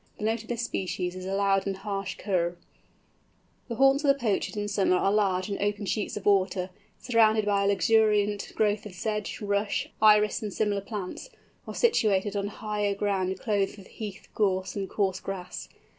The note of this species is a loud and harsh kurr. The haunts of the Pochard in summer are large and open sheets of water, surrounded by a luxuriant growth of sedge, rush, iris, and similar plants, or situated on higher ground clothed with heath, gorse, and coarse grass.